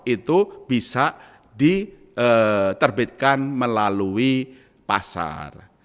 itu bisa diterbitkan melalui pasar